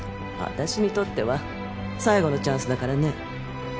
私にとっては最後のチャンスだからね